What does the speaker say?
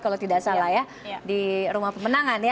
kalau tidak salah ya di rumah pemenangan ya